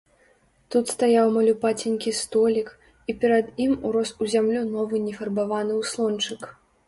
Тут стаяў малюпаценькі столік, і перад ім урос у зямлю новы нефарбаваны ўслончык.